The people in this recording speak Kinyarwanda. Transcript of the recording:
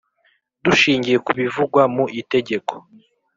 Dushingiye ku bivugwa mu Itegeko.